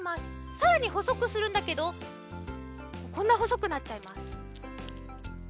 さらにほそくするんだけどこんなほそくなっちゃいます。